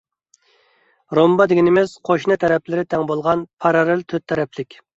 رومبا دېگىنىمىز، قوشنا تەرەپلىرى تەڭ بولغان پاراللېل تۆت تەرەپلىك.